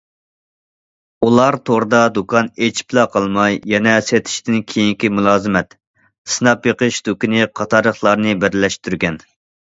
ئۇلار توردا دۇكان ئېچىپلا قالماي، يەنە سېتىشتىن كېيىنكى مۇلازىمەت، سىناپ بېقىش دۇكىنى قاتارلىقلارنى بىرلەشتۈرگەن.